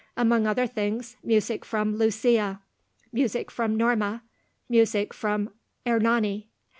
Among other things, music from "Lucia," music from "Norma," music from "Ernani."